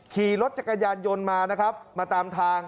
ขี่รถจักรยานยนต์มานะครับมาตามทาง